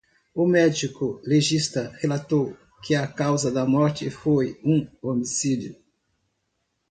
O médico legista relatou que a causa da morte foi um homicídio.